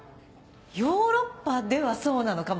ヨーロッパではそうなのかも。